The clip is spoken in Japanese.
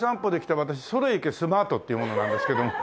私『それ行けスマート』っていう者なんですけど。